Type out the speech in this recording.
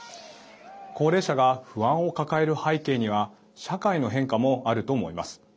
高齢者が、不安を抱える背景には社会の変化もあると思います。